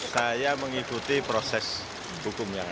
saya mengikuti proses hukum yang ada